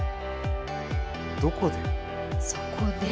どこで？